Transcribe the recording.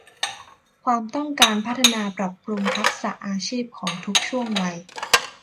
ความต้องการพัฒนาปรับปรุงทักษะอาชีพของทุกช่วงวัย